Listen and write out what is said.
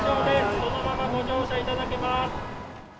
そのままご乗車いただけます。